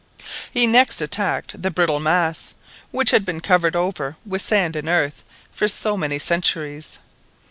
He next attacked the brittle mass, which had been covered over with sand and earth for so many centuries.